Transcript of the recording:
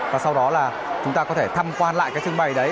và sau đó là chúng ta có thể tham quan lại cái trưng bày đấy